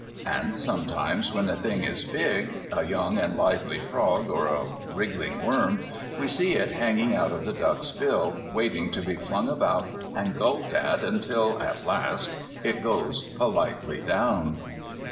And sometimes when the thing is big, a young and lively frog, or a wriggling worm, we see it hanging out of the duck's bill, waiting to be flung about, and gulped at, until, at last, it goes politely down.